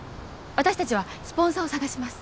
私達はスポンサーを探します